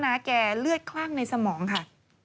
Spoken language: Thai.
้าแกเลือดคลั่งในสมองค่ะ